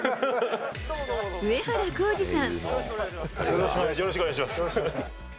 上原浩治さん。